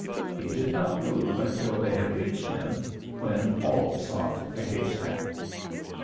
He did not move until they had reached him, when all sought the haystack.